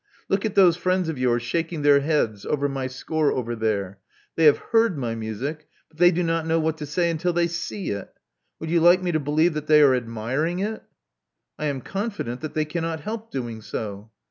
Look at those friends of yours shaking their heads over my score there. They have heard my music ; but they do not know what to say until they see it. Would you like me to believe that they are admiring it?" I am confident that they cannot help doing so."